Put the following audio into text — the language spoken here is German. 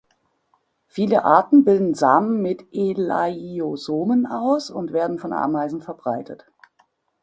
Viele Arten bilden Samen mit Elaiosomen aus, und werden von Ameisen verbreitet.